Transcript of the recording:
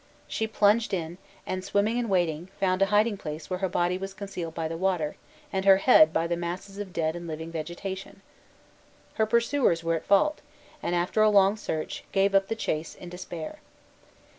She plunged in, and, swimming and wading, found a hiding place, where her body was concealed by the water, and her head by the masses of dead and living vegetation. Her pursuers were at fault, and, after a long search, gave up the chase in despair.